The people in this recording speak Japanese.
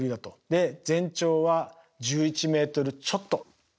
で全長は１１ｍちょっと。